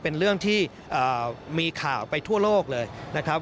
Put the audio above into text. เป็นเรื่องที่มีข่าวไปทั่วโลกเลยนะครับ